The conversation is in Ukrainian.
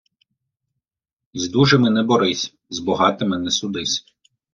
З дужими не борись, з богатими не судись.